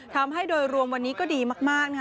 ทำให้โดยรวมวันนี้ก็ดีมากนะคะ